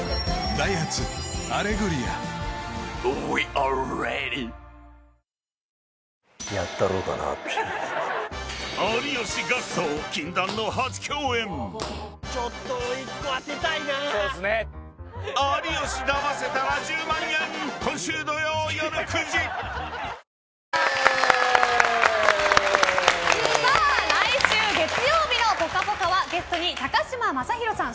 新「ＥＬＩＸＩＲ」来週月曜日の「ぽかぽか」はゲストに高嶋政宏さん